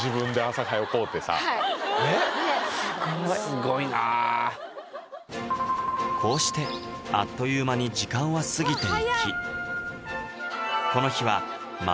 すごいこうしてあっという間に時間は過ぎていき